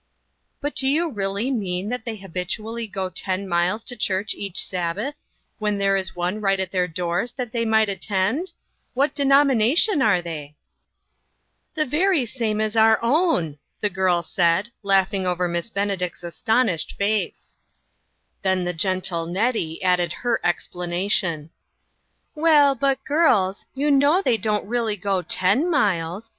" But do you really mean that they hab itually go ten miles to church each Sabbath, when there is one right at their doors that they might attend ? What denomination are they ?"" The very same as our own," the girl said, laughing over Miss Benedict's aston ished face. OUTSIDE THE CIRCLE. Then the gentle Nettie added her expla nation : "Well, but, girls, you know they don't really go ten miles.